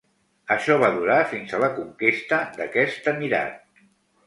Això va durar fins a la conquesta d'aquest emirat.